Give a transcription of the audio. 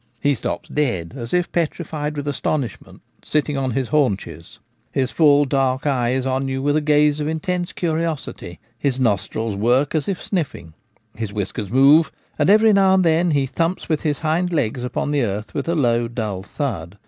He stops dead, as if petrified with astonishment, sitting on his haunches. His full dark eye is on you with a gaze of ntense curiosity ; his nostrils work as if sniffing ; his whiskers move ; and every now and then he thumps with his hind legs upon the earth with a low dull thud.